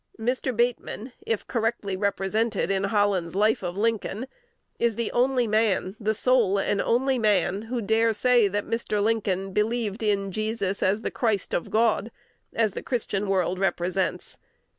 Mr. Bateman, if correctly represented in Holland's "Life of Lincoln," is the only man, the sole and only man, who dare say that Mr. Lincoln believed in Jesus as the Christ of God, as the Christian world represents.